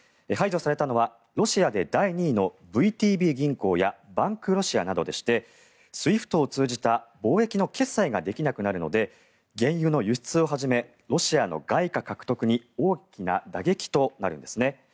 排除されたのはロシアで第２位のＶＴＢ銀行やバンク・ロシアなどでしてＳＷＩＦＴを通じた貿易の決済ができなくなるので原油の輸出をはじめロシアの外貨獲得に大きな打撃となるんです。